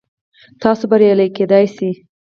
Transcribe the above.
تاسو بریالي کیدی شئ